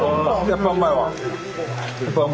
やっぱうまいわ。